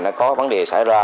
nó có vấn đề xảy ra